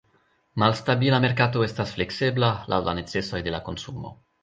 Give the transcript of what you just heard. Malstabila merkato estas fleksebla, laŭ la necesoj de konsumo.